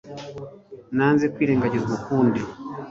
nanze kwirengagizwa ukundi